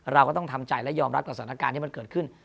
เราก็ต้องทำใจและยอมรับกับสถานการณ์ที่มันเกิดขึ้น